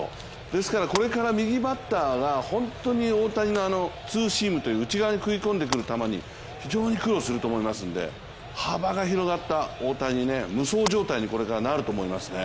ですから、これから右バッターが、大谷のあのツーシーム内側に食い込んでくる球に非常に苦労すると思いますので、幅が広がった大谷、無双状態にこれからなると思います。